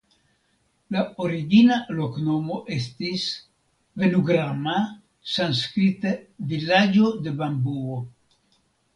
La origina loknomo estis "Venugrama" (sanskrite "vilaĝo de bambuo").